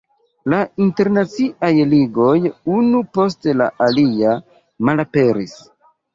La internaciaj ligoj unu post la alia malaperis.